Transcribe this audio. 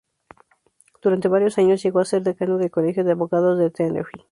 Durante varios años llegó a ser decano del Colegio de abogados de Tenerife.